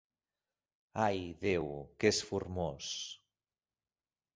-Ai, Déu, que és formós!